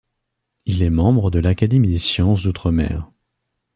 Il est membre de l’Académie des Sciences d’Outre-Mer.